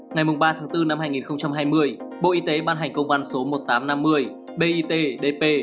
ngày ba bốn hai nghìn hai mươi bộ y tế ban hành công văn số một nghìn tám trăm năm mươi bitdp